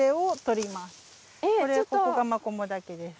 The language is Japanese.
これここがマコモダケです。